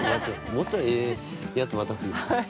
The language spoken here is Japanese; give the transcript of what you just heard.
◆もうちょいええやつ渡すで。